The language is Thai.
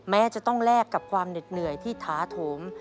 แม้จะต้องแลกกับความเหน็ดเหนื่อยที่ท้าโถม